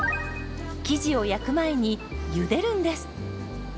生地を焼く前にゆでるんです。